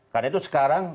karena itu sekarang